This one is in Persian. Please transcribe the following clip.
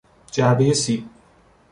جعبهی سیب